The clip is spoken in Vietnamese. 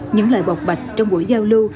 những lời bọc bạch trong buổi giao lưu